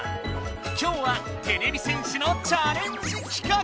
今日はてれび戦士のチャレンジ企画！